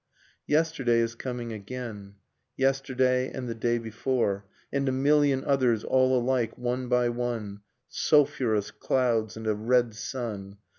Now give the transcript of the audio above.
Yesterday is coming again. Yesterday and the day before. And a million others, all alike, one by one, Sulphurous clouds and a red sun.